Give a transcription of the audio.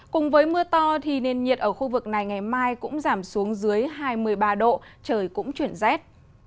cùng với mưa to thì nền nhiệt ở khu vực này ngày mai cũng giảm xuống dưới hai mươi ba độ trời cũng chuyển rét